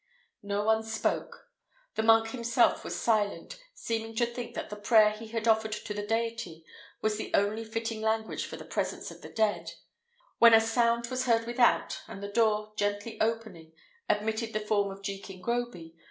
No one spoke. The monk himself was silent, seeming to think that the prayer he had offered to the Deity was the only fitting language for the presence of the dead; when a sound was heard without, and the door, gently opening, admitted the form of Jekin Groby.